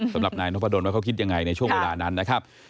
สำหรับนายนพดลว่าเขาคิดยังไงในช่วงเวลานั้นนะครับ